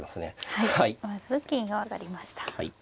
はいまず金を上がりました。